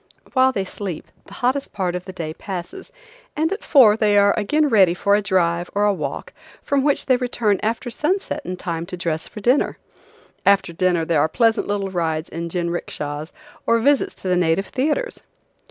While they sleep the hottest part of the day passes, and at four they are again ready for a drive or a walk, from which they return after sunset in time to dress for dinner. After dinner there are pleasant little rides in jinrickshas or visits to the native theaters.